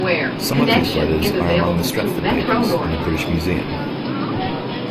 Some of his letters are among the Strafford papers in the British Museum.